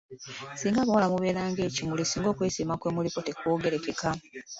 Singa abawala mubeera ng'ekimuli singa okwesiima kwe muliko tekwogerekeka.